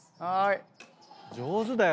上手だよ